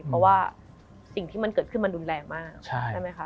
เพราะว่าสิ่งที่มันเกิดขึ้นมันดุลแรงมาก